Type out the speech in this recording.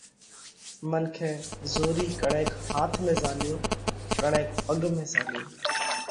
منکي زورِي ڪڻئڪ هاٿ ۾ زهاليو، ڪڻئڪ پڳ ۾ زهاليو،